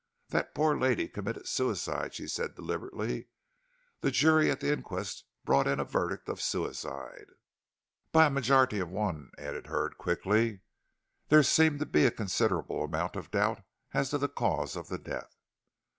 "That poor lady committed suicide," she said deliberately. "The jury at the inquest brought in a verdict of suicide " "By a majority of one," added Hurd, quickly. "There seemed to be a considerable amount of doubt as to the cause of the death."